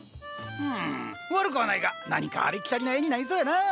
うん悪くはないが何かありきたりな絵になりそうやな！